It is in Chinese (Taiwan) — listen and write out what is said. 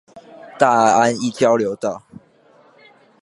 大安一交流道